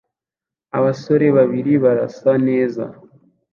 Abasore babiri barasa neza